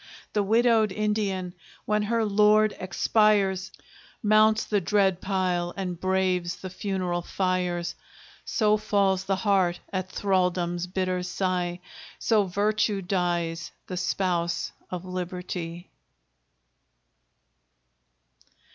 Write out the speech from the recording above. The widowed Indian, when her lord expires, Mounts the dread pile, and braves the funeral fires. So falls the heart at Thraldom's bitter sigh; So Virtue dies, the spouse of Liberty!